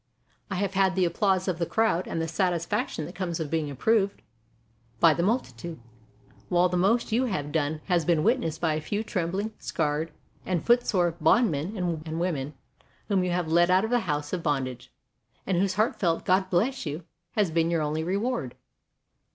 I have had the applause of the crowd and the satisfaction that comes of being approved by the multitude, while the most that you have done has been witnessed by a few trembling, scarred, and footsore bondmen and women, whom you have led out of the house of bond age, and whose heartfelt 'God bless you' has been your only reward."